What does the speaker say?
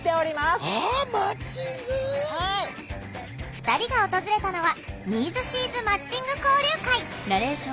２人が訪れたのは「ニーズ・シーズマッチング交流会」。